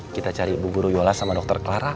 kita cari bu guru yola sama dokter clara